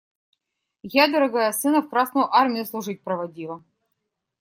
Я, дорогая, сына в Красную Армию служить проводила.